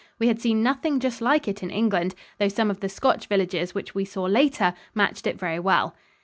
We had seen nothing just like it in England, though some of the Scotch villages which we saw later, matched it very well.